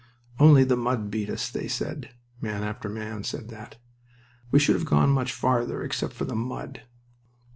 "Only the mud beat us," they said. Man after man said that. "We should have gone much farther except for the mud."